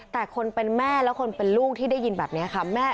แต่คนเป็นแม่และคนเป็นลูกที่ได้ยินแบบนี้ค่ะ